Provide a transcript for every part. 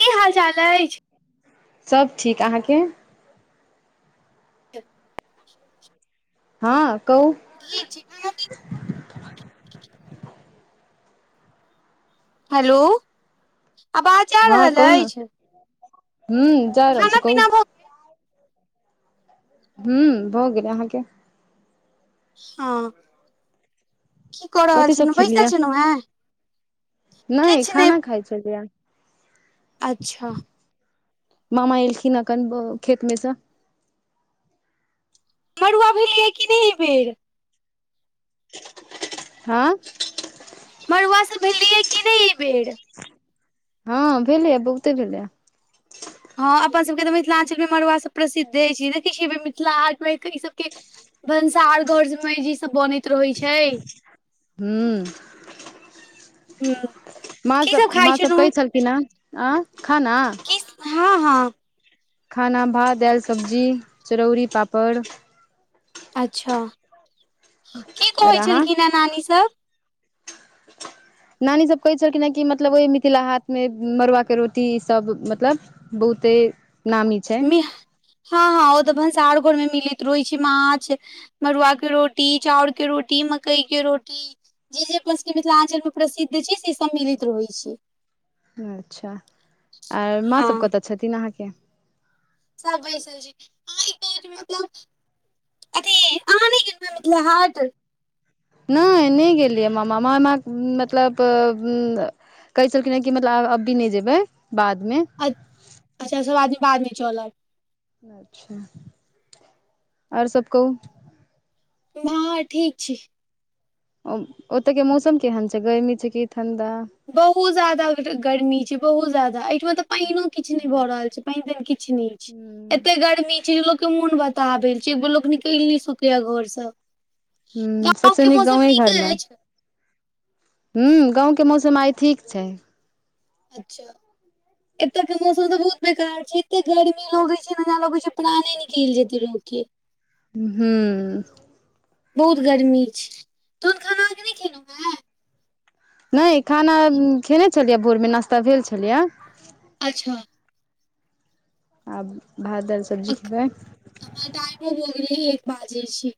की हाल चाल अछि सब ठीक अहाँके ठ हँ कहु गिय छी हलो आवाज हँ कहुँ ने जाय रहल खाना छै कहु पीना भऽ हूँ भऽ गेलै अहाँके हँ की कऽ रहल कथी सब छल बैसल छै न उहा नय खाना खाइ छलिय अच्छा मामा एलखिन बो खेत में सँ मरुआ भेलियै कि नय येबेर हँ मड़ुआ से भेलियै कि नय ई बेड़ हँ भेलइया बहुते भेलेया हँ अपन सभके तऽ मिथिलाञ्चलमे मड़ुआसभ प्रसिद्ध अछि देखै छियै मिथिला हाट मे ईसभके भनसारघरमे जे ई सब बनैत रहैत छै हूँ हँ माँ की सब खाइ माँ सब कहै छलहुँ छलखिन हे आ खाना हँ हँ खाना भात दाल सब्जी चरौरी पापड़ अच्छा की आओर कहै अहाँ छलखिन हैं नानी सब नानीसभ कहै छलखिन है कि मतलब ओहि मिथिला हाट मे मड़ुआके रोटी ईसब मतलब बहुते नामी छै मि हँ हँ ओते भनसार घर में मिलैत रहैत छै माछ मरुआ के रोटी चाउर के रोटी मकई के रोटी जे जे अपना सबके मिथिलांचल में प्रसिद्ध छै से सब मिलेत रहै छय अच्छा आ माँ सब हँ कतऽ छथिन अहाँके सबैसजी आ मतलब अथी अहाँ नय गेल मिथिला हाट नहि नय गेलियै म मामा ए मतलब कहय छलखिन हँ कि मतलब अब भी नहि जेबै बादमे अच्छा सब आदमी बादमे चलब अच्छा ओर सब कहू हँ ठीक छय ओतय के मौसम केहन छय गर्मी छै कि ठण्डा बहुत ज्यादा गर्मी छय बहुत जादा एहिठाम तब पैनो किछ नहि भऽ रहल छै पैन तैन किछ नहि छै ह एते गर्मी छै जे लोक के मोन बता भेल छै एगो लोक निकलि नहि सुकैया घर से गाँव सबसे के मौसम गाँवे नीक अइछ हूँ गाँवके मौसम आइ ठीक छय अच्छा एतय के मौसम तऽ बहुत बेकार छै एते गर्मी लगे छयलगे छै प्राने निकल जेते लोग के हूँ बहुत गर्मी छै तोहन खाना के नहि खेलहुं हे नहि खाना खेने छलियै भोर में नास्ता भेल छलियै अच्छा आब भात दाल सब्जी खेबै हँ टाइम भ गेले एक बाजय छी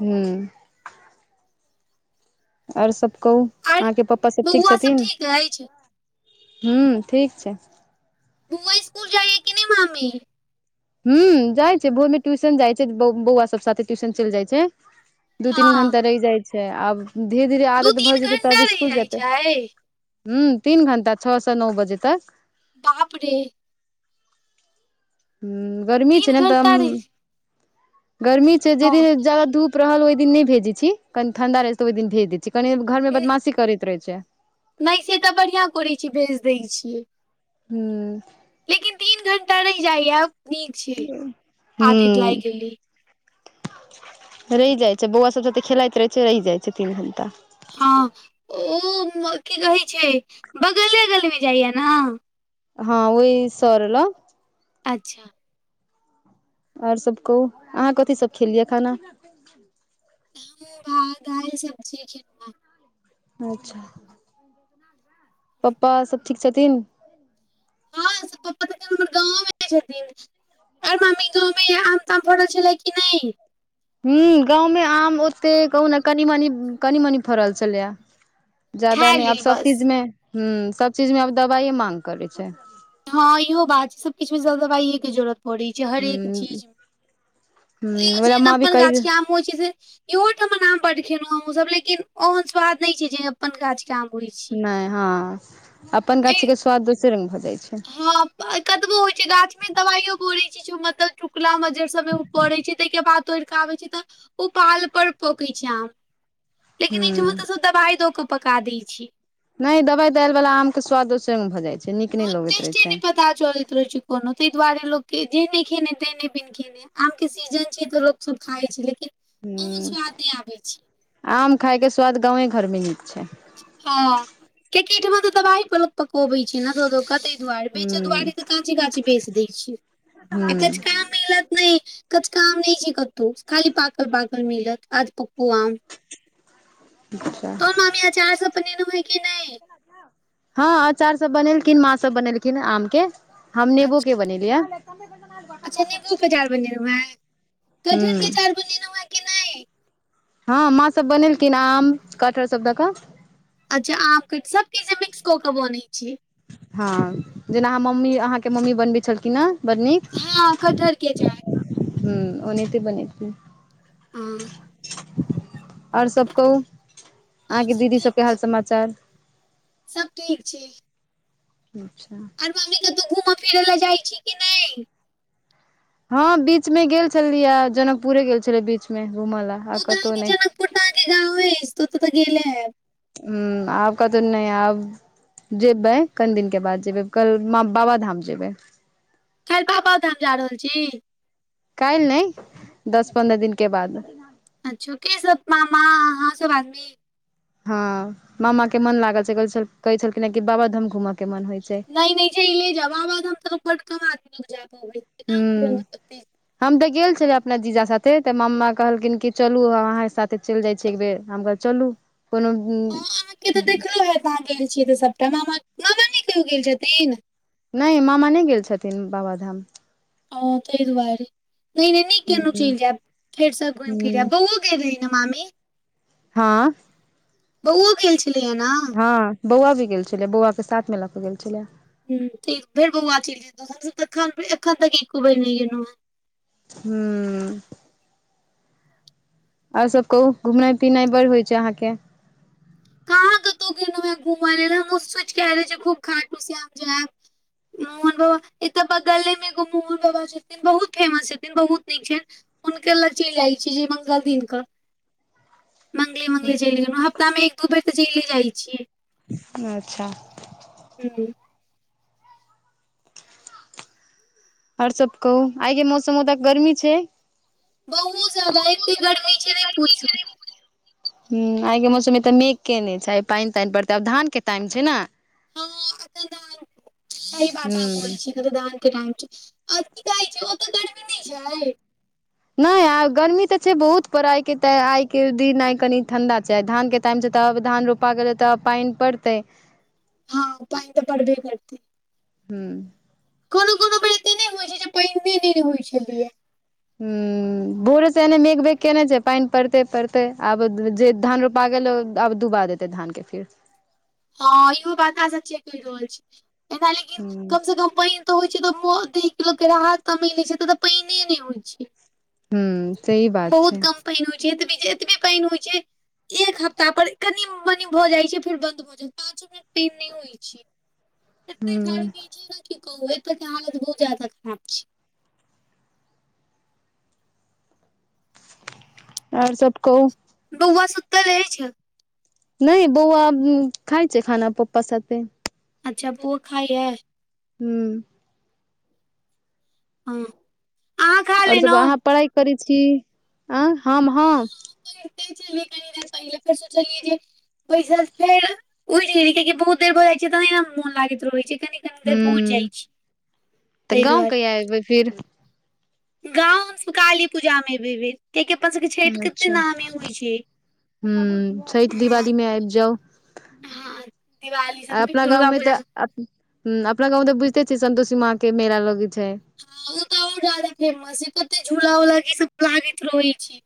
हूँ ओर सब कहू आर अहाँके पप्पा सब ठीक बौआ सब छथिन ठीक अछि ह्मँ ठीक छय मुमबइ स्कुल जाइयए कि नय मामी ह जाइ छै भोर मे ट्यूशन जाइ छै बौआ सब साथे ट्यूशन चैल जाइ छै दू तीन हँ घं्टा रहि जाइ छै आब धीरे धीरे दू आदत भऽ तीन जेतै घंटा तब रहि स्सकुल जाइ जेतै छै ह तीन घण्टा छओ से नओ बजे तक बापरे ह गर्मी छै तीन ने तऽ घंटा रहि गर्मी छै जेहि हँ दिन ज्यादा धूप रहल ओहि दिन नहि भेजै छी कनि ठण्डा रहै छैऽ ओहि दिन भेज दै छी कनि घरमे बदमाशी करैत रहै छय नहि से तऽ बढ़िआं करै छी भेज दै छिय हूँ लेकिन तीन घण्टा रहि जाइया नीक छय आदित लाग हूँ गेले रहि जाइत छै बौआ सब सब त खेलाइत रहै छै रहि जाइत छै तीन घंटा हँ ओ की कहै छै बगले अगलमे जाइया ने हँ ओहि सर अच्छा आओर सब कहू अहाँ कथी सब खेलियै खाना हम भात दालि सब्जी खना [unintelligible] अच्छा पप्पा सब ठीक छथिन हँ से पप्पा तर न आर मामी गाँवमे आम ताम फड़ल छलै कि नहि हू गाँवमे आम ओते कहू ने कनी मनी कनी मनी फड़ल छलै जादा खाय नहि आब लेल सब बस चीज मे ह सब चीज मे आब दबाइए माँग करै छय हँ इहो बात छय सब किछमें दवाइया के जरुरत पड़ छै हर एक हूँ चिज त्यो हूँ ओला जेहेन माँ भी अपन कहि गाछ के आम इहोठ नाम परेलँ हम सब लेकिन ओहन स्वाद नहि छै जे अपन गाछ जाम छै [unintelligible] नहि हँ अपन एहि गाछी के स्वाद दोसर रंग भऽ जाइ छय हँ कतबो होइ छै गाछ में दवाईयो परै छय मतलब टुकला मजर सब पड़े छै ताहिके बाद तोड़ केे आबै छै तऽ ओ पाल पर पकै छय आम लेकिन एहिठमा हूँ तऽ सब दवाई दऽ केऽ पका दै छी नहि दवाई दालि बाला आम के स्वाद दोसरंगे भऽ जाइत छै नीक नहि लगैत रहै छय त चल छै कोनो तहि दुआरे लोक के जे नहि खेने ते नहि बिन खेने आम के सीजन छै तऽ लोको सब खाय छै लेकिन ओ हूँ स्वाद नहि आबे छै आम खायके स्वाद गाँवे घर में नीक छै हँ कियाकि एहिठमा तऽ दबहि पकबे छै ने दुआरि बेच हूँ दुआरे तऽ काचे काचे बेच दै छिय आ हूँ कच का [unintelligible] मिलत नहि कचका आम नहि छैय कतहु खाली पाकल पाकल मिलत अधपक्कू आम। अच्छा तोहर नानी अचार सब बनेने हव कि नहि? हँ अचार सब बनेलखिन माँ सभ बनेलखिन आम के हम नेबो अच्छा के बनेलियै। अच्छा नींबू के अचार हूँ [unintelligible] की नहि हँ माँ सभ बनेलखिन आम कटहर सब दऽ कऽ। अच्छा आप के सब चीज मिक्स क के बनैत छैय। हँ जेना अहाँ मम्मी अहाँके मम्मी बनबै छलखिन हेँ बड़ नीक। हँ कटहर के अचार। हूं ओनहते बनैली या। हाँ आओर सब कहू और अहाँके सब दीदी ठीक सबके हाल छै समाचार। सब ठीक छैय। [inaudible] [inaudible] कतहु घूमय फिरै लए जाइ छी कि नहि? हँ बीच मे गेल छलि यए जनकपुरे गेल छली बीच मे घूमऽ लए ओ आर तऽ कतहु नहि। [unintelligible] गाँव अछि तो तऽ ग गेल हैब। हूं आब कतहु नहि आब जेबै कनि दिन के बाद जेबै कल बाबाधाम जेबै। काल्हि बाबाधाम जा रहल छी? काल्हि नहि दस पन्द्रह दिनके बाद। अच्छा के सब मामा अहाँ सब आदमी? हँ मामा के मन लागल छैय कहय छलखिन ह की बाबा धाम घूमब। नहि नहि चैले जाब बाबा धाम त बड कम आदमीके जाय हूँ पबै [unintelligible] हम तऽ गेल छली अपना जीजा साथे तऽ मामा कहलखिन कि चलू अहाँके साथे चलि जाइ छी एक बेेर। हम क चलू कोनो हँ अहाँके तऽ देखलो हत अहाँ गेल छियै तऽ सभटा मा मामा नहि केओ गेल छथिन? नहि मामा नहि गेल छथिन बाबाधाम। ओ तई दुआारे नहि नहि निक केलहु चलि जायव फेर सभ घुम फिर हूँ यैब बओ [unintelligible] मामी हँ बौओ गेल छलैया ना? हँ बौआ भी गेल छलै बौआ के साथ मे ल के गेल छलै। ह ठीक फेर बौआ चलि गेलय दोसर तन एखन तक एको बेर नहि गेलहु। हूं आओर सब कहू घुमनाई पिनाई बड़ होइ छैय अहाँके। [inaudible] घुमा ल त हम ओसोच [unintelligible] छी खूब खाटुस हम जायब मोहन बाबा एतऽ बगले मे एगो मोहन बाबा छथिन बहुत फेमस छथिन बहुत नीक छैथ। हुनके लग चलि जाइ छी जे मंगल दिन क। मंगले मंगले चलि गेलहुँ हफ्तामे एक दू बेर तऽ चलिये जाइत छियै। अच्छा हू आओर सब कहू आइ के मौसममे तऽ गर्मी छैय। बहुत जादा ऐतै गरमी छैय नहि पूछू। हूं आइके मौसममे तऽ मेघके नहि छैय आइ पानि तानि पड़तै आब धानके टाइम छैय ने। हँ ए त सही बात हूँ [unintelligible] छियइ मतदान के टाइम के आ की कहै छै ओ तऽ गरमी नहि छय नहि आ गर्मी तऽ छै बहुत पर आइ के आइ के दिन आई कनी ठंडा छय आ धान के टाइम छै त आब धान रोप प गेलय तऽ पानि पड़तै हँ पइन तऽ पड़बे करत हूँ कोनो कोनो बेर एते नहि होइ छै जे पहिने नहि ने होइ छलय हूँ भोरे से एने मेघ बेेघ केने छै पइन पड़ते पड़ते आब जे धान रोपा गेल आब डबा देतइ धान के फिर हँ इहो बात अह सब च कर रहल छी एना लेकिन हूँ कम से कम पइन होइ छै तऽ म के लोक के राहत तमेेल छै एत तऽ पानि नहि होइ छय हूँ सहि बात छय पइन होइ ऐतवे जेती पानि हुइ छै एक हफ्ता पर कनि मनी भऽ जाइ छै फेर बंन्द भऽ जायत पाचो मिनट पे नहि होइ छय एते हुं गर्मी छै ने की किहु एतके हालत बहुत जादा खराब छय ओर सब कहु बौआ सुत्तऽ लऽ अछै नहि बौआ खाय छय खान पप्पा साथे अच्छा पु खाइए हूँ हं आओर सब अहाँ पढ़ाइ करय छी आ हम ह हँ पढ़ते छलियइ कनी देर पहिल फेर सो चलियै जे बैसल फेर उठ गेलियइ कियाकि बहुत देर भऽ जाइत छै तह ने मोन लागैत रहै छै कनि कनि देर पू हूँ जाइ छी तऽ त गाँव दुआरे कहिया एबै फिर गाँव काली पूजा में ऐवै भी कियै की अपन सड के छैठ कते अच्छा नामी होइ छय हूँ छठि दिवाली मे आइब जाउ हँ दिवाली आ सब में अपना गाँव दुर्गा मे पूजा तऽ अपना गाँंव में तऽ बुझते छियै सन्तोषी माँ के मेला लगैत छै ह ओ तऽ आ ज्यादा फेमस ह कते झूला उला सब लागैत रहै छै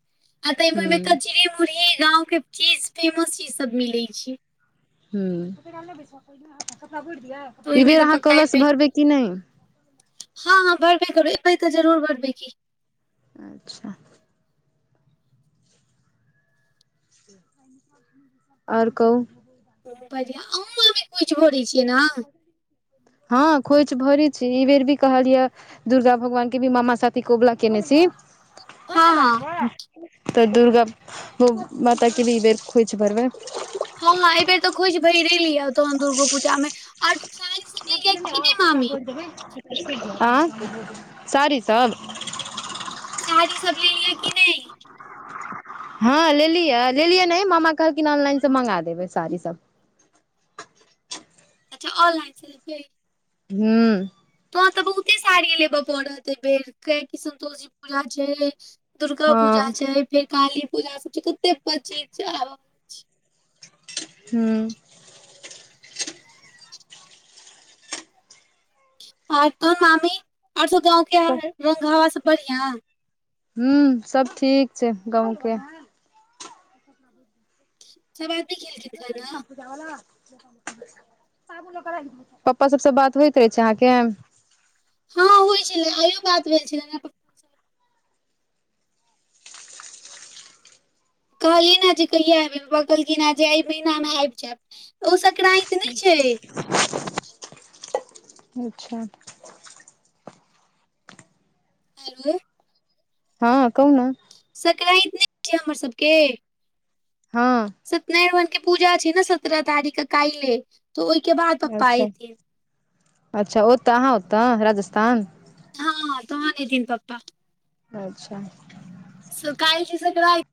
आ हूँ ताहिमेहिमे कचरी मुरही गाँंके चीज फेमस चीज सभ मिलैत छै तऽ ई ओहिमे बेर तऽ अहाँ पक्का कलश एबे भरबै कि नय हँ हँ भरबे करूै तऽ जरूर भरबइ की अच्छा [unintelligible] ओर कहु बढ़िआ अहु अभी किछु भोरे छियइ ने हँ खोइच भइर छी ई बेर भी कहलियै दुर्गा भगवान के भी मामा साथी कबुला केने छी हँ तऽ दुर्गा माताके भी ई बेर खौझ भरबइ हँ एहि बेर तऽ खौझ भैरी तोन दुर्गो पूजा में आओर सा आ सारी सब साड़ी सब लेलियै की नाए हँ लेलियै लेलियै नाए मामा कहलखिन ऑनलाइनसँ मगा देबै साड़ीसभ अच्छा ऑनलाइन से लेतिए [inaudible] तोहन तऽ बहुते साड़ी लेबय पड़त ए बेर कै कि संतोषी पूजा छै दुर्गा पूजा हँ छै फेर काली पूजा सब छै कते प्रचित छै आ [inaudible] आर तोन मामी और सब गाँंव के रंग हवा सब बढ़िया हू सब ठीक छै गाँव के सब आदमी खेल खिन मिठाइ न [unintelligible] पापा सबसँ बात होइत ऐ छै अहाँके हँ होइ छलै आइयो बात भेल छलै से। कहलीनेँ जे कहिया एबै पापा जे एहि महिनामे आबि जायब ओ संकरात नहि छै [inaudible] [inaudible] हँ कहु न संक्रत नहि छै हमर सभके हँ सत्यनारायण भगवानके पूजा छै ने सत्रह तारीख के काइले तऽ ओहिके बाद पापा एयथि अच्छ ओतऽ अहाँ ओतऽ राजस्थान हँ तहन ऐतहिन पप्पा अच्छ स काइल छीए संक्राइत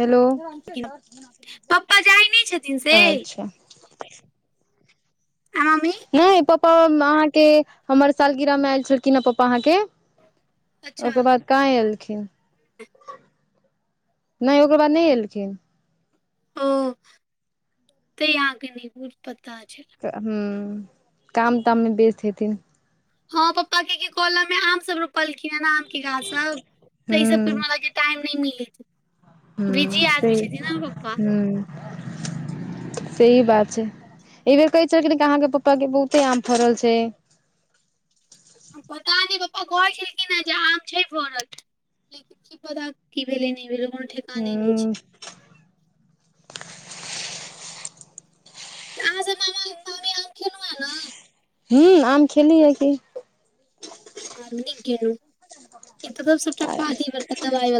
हेलो [unintelligible] पप्पा जाइ नहि छथिन से आ अच्छ [inaudible] नहि पप्पा अहाँके हमर सालगिरह मे आयल छलखिन हे पापा अहाँके अच्छा ओ क बाद क ओहिके एलखिन बाद [unintelligible] नहि ओकर बाद नहि एलखिन ओ [unintelligible] तऽ यहाँके न बुझ पता छै तऽ हँ काम ताममे व्यस्त हेथिन हँ पप्पा के कल मे आम सब रोपलखिन हेँ आम के गाछ सब तऽ ई सब हूँ टाइम नाए मिले [inaudible] सही बात छै ई बेेर कहै छैख अहाँ के पप्पा के बहुते आम फरल छै पता ने पप्पा कहै छलखिन हे जे आम छै फड़ल लेकिन की पता की भेले नहि भेलै कोनो ठेकाने नहि हूँ छै अहाँ सभ [unintelligible] आम खेलउ स ना हूँ आम खेलिए की [inaudible]